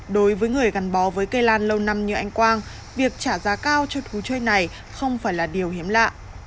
đối với người gắn bó với cây lan lâu năm như anh quang việc trả giá cao cho thú chơi này không phải là điều hiếm lạ